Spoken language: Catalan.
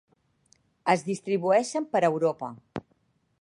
Es distribueixen per Europa.